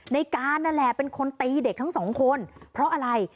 ในการนั่นแหละเป็นคนตีเด็กทั้งสองคนเพราะอะไร